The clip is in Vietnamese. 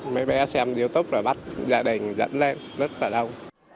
mấy bé xem youtube rồi bắt gia đình dẫn lên rất là đông